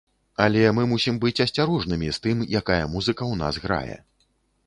Але мы мусім быць асцярожнымі з тым, якая музыка ў нас грае.